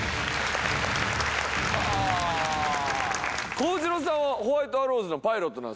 神代さんはホワイトアローズのパイロットなんすよね？